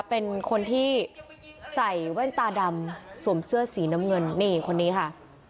เป็นคนที่ใส่แว่นตาดำสวมเสื้อสีน้ำเงินนี่คนนี้ค่ะ